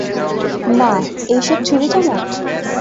না, এইসব ছুড়ি-চামচ?